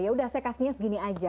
ya udah saya kasihnya segini aja